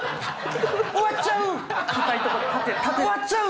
終わっちゃう！